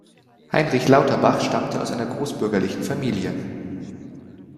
Heinrich Lauterbach stammte aus einer großbürgerlichen Familie.